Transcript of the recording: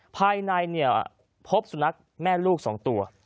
ภายในพบสุนัขแม่ลูก๒ตัว